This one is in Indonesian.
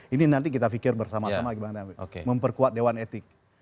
ini nanti kita pikir bersama sama gimana memperkuat dewan etik